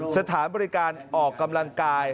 สถานบริการออกกำลังกาย